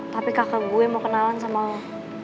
tapi kakak gue yang mau kenalan sama lo